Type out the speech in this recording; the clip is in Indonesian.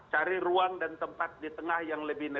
cari ruang dan tempat di tengah yang lebih dalam